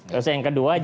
terus yang kedua juga